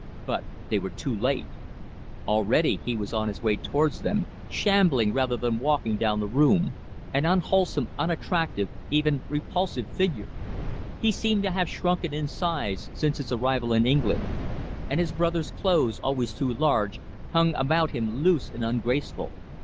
But they were too late. Already he was on his way towards them, shambling rather than walking down the room, an unwholesome, unattractive, even repulsive figure. He seemed to have shrunken in size since his arrival in England, and his brother's clothes, always too large, hung about him loose and ungraceful.